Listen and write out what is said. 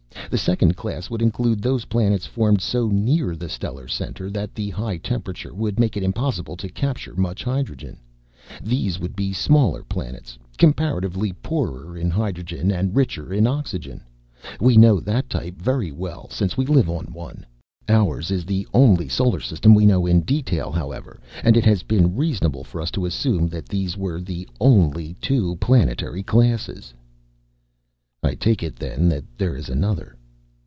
The second class would include those planets formed so near the stellar center that the high temperature would make it impossible to capture much hydrogen. These would be smaller planets, comparatively poorer in hydrogen and richer in oxygen. We know that type very well since we live on one. Ours is the only solar system we know in detail, however, and it has been reasonable for us to assume that these were the only two planetary classes." "I take it then that there is another."